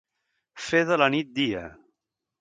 Fer de la nit dia.